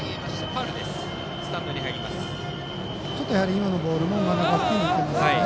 今のボールも、少し真ん中付近に行ってますよね。